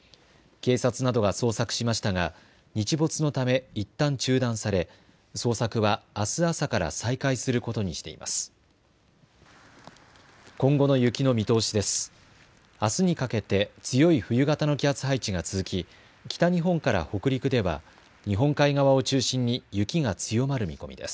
警察などが捜索しましたが日没のため、いったん中断され捜索はあす朝から再開することにしています。